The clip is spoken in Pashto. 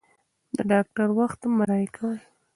د ډاکټر وخت مه ضایع کوئ.